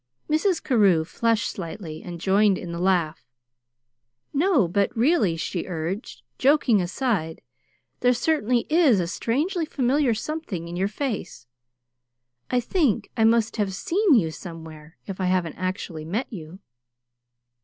Mrs. Carew flushed slightly and joined in the laugh. "No, but really," she urged; "joking aside, there certainly is a strangely familiar something in your face. I think I must have SEEN you somewhere, if I haven't actually met you."